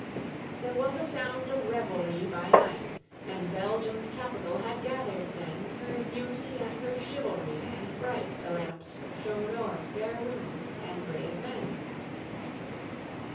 There was a sound of revelry by night, And Belgium's capital had gathered then Her beauty and her chivalry, and bright The lamps shone o'er fair women and brave men.